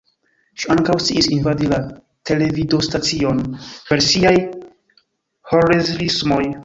Ŝi ankaŭ sciis invadi la televidostacion per siaj "'Holzerismoj"'.